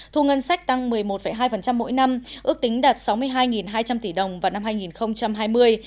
thu ngân sách tăng một mươi một hai mỗi năm ước tính đạt sáu mươi hai hai trăm linh tỷ đồng vào năm hai nghìn hai mươi